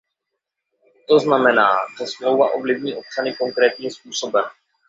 To znamená, že smlouva ovlivní občany konkrétním způsobem.